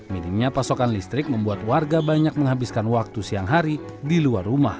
minimnya pasokan listrik membuat warga banyak menghabiskan waktu siang hari di luar rumah